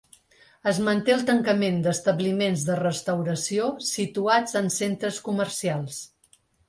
Es manté el tancament d’establiments de restauració situats en centres comercials.